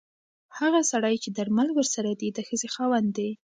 هغه سړی چې درمل ورسره دي د ښځې خاوند دی.